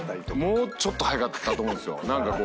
もうちょっと速かったと思うんですよ。